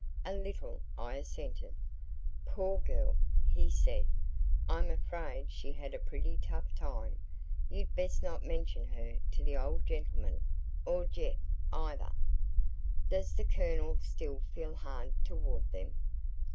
"A little," I assented. "Poor girl!" he said. "I'm afraid she had a pretty tough time. You'd best not mention her to the old gentleman or Jeff either." "Does the Colonel still feel hard toward them?"